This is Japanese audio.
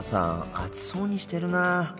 暑そうにしてるな。